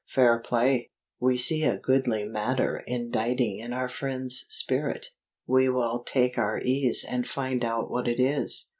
Fair play! We see a goodly matter inditing in our friend's spirit. We will take our ease and find out what it is."